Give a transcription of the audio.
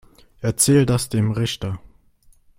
Erzähl das dem Richter.